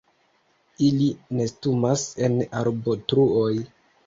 Ili nestumas en arbotruoj.